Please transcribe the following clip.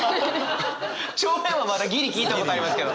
帳面はまだギリ聞いたことありますけど。